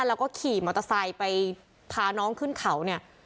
แล้วก็ขี่มอเตอร์ไซค์ไปพาน้องขึ้นเขาเนี่ย